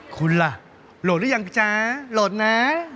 คุณล่ะโหลดหรือยังพี่จ๊ะโหลดนะ